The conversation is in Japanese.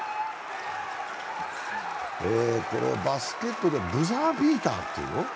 これバスケットではブザービーターっていうの？